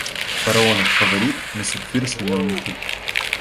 Фараонов фаворит на сапфир сменял нефрит.